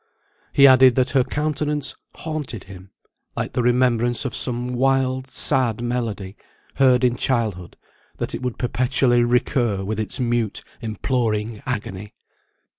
He added, that her countenance haunted him, like the remembrance of some wild sad melody, heard in childhood; that it would perpetually recur with its mute imploring agony.